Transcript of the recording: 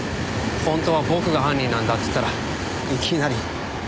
本当は僕が犯人なんだって言ったらいきなり。